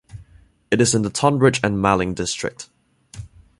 It is in the Tonbridge and Malling district.